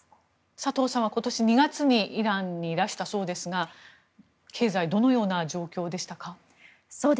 佐藤さんは今年２月にイランにいらしたそうですが経済はどのような状況でしたか？